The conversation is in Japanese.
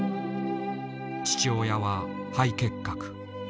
父親は肺結核。